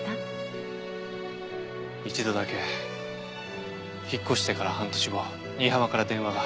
一度だけ引っ越してから半年後新浜から電話が。